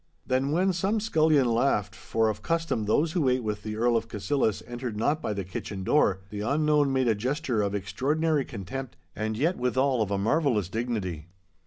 Then when some scullion laughed, for of custom those who ate with the Earl of Cassillis entered not by the kitchen door, the unknown made a gesture of extraordinary contempt and yet withal of a marvellous dignity.